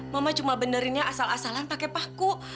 mama cuma benerinnya asal asalan pakai paku